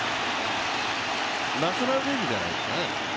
ナショナル・リーグじゃないですかね。